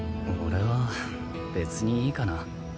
俺は別にいいかなぁ。